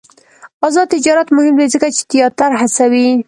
آزاد تجارت مهم دی ځکه چې تیاتر هڅوي.